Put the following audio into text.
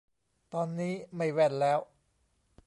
ตอนนี้ไม่แว่นแล้ว